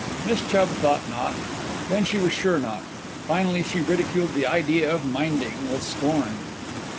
Miss Chubb thought not. Then she was sure not. Finally she ridiculed the idea of minding with scorn.